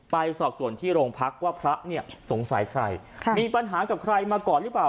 สอบส่วนที่โรงพักว่าพระเนี่ยสงสัยใครมีปัญหากับใครมาก่อนหรือเปล่า